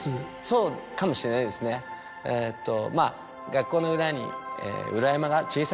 そうかもしれないですねえっと。